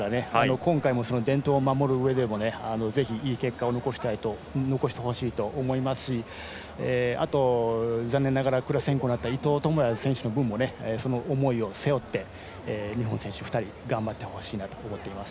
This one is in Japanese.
今回、伝統を守るうえでもぜひ、いい結果を残してほしいと思いますしあと、残念ながらクラス変更になった伊藤智也選手のその思いを背負って日本選手２人に頑張ってほしいなと思っています。